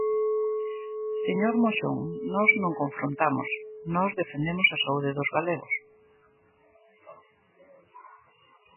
Señor Moxón, nós non confrontamos, nós defendemos a saúde dos galegos.